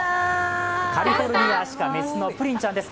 カリフォルニアアシカ、雌のプリンちゃんです。